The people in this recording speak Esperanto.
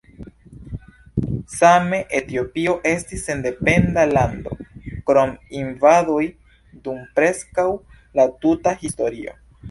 Same Etiopio estis sendependa lando krom invadoj dum preskaŭ la tuta historio.